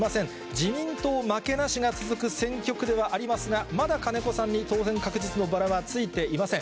自民党負けなしが続く選挙区ではありますが、まだ金子さんに当選確実のバラはついていません。